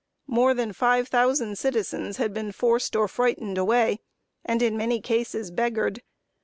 More than five thousand citizens had been forced or frightened away, and in many cases beggared.